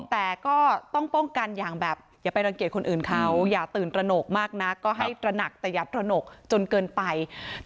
แต่ก็ต้องป้องกันอย่างแบบอย่าไปรังเกียจคนอื่นเขาอย่าตื่นตระหนกมากนักก็ให้ตระหนักแต่อย่าตระหนกจนเกินไป